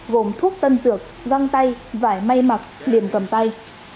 gồm thuốc tân dược găng tay vải may mặc liềm cầm tay